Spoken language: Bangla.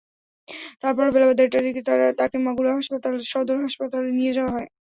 তারপরও বেলা দেড়টার দিকে তাঁকে মাগুরা সদর হাসপাতালে নিয়ে যাওয়া হয়।